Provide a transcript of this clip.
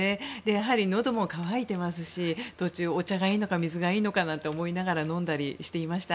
やはりのども乾いていますしお茶がいいのか水がいいのかなんて思いながら飲んだりしていました。